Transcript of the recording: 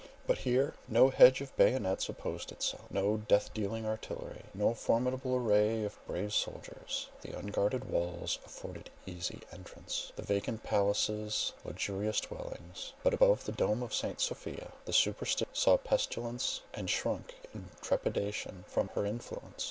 But here no hedge of bayonets opposed itself, no death dealing artillery, no formidable array of brave soldiers—the unguarded walls afforded easy entrance—the vacant palaces luxurious dwellings; but above the dome of St. Sophia the superstitious Greek saw Pestilence, and shrunk in trepidation from her influence.